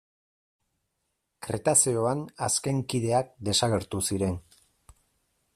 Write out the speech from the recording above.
Kretazeoan azken kideak desagertu ziren.